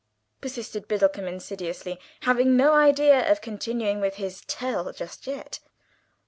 persisted Biddlecomb insidiously, having no idea of continuing with his Tell just yet.